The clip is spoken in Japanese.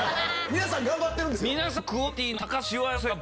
皆さん頑張ってるんですよ。